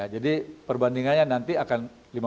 jadi perbandingannya nanti akan